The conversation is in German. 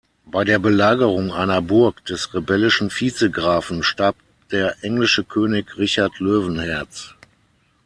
Bei der Belagerung einer Burg des rebellischen Vizegrafen starb der englische König Richard Löwenherz.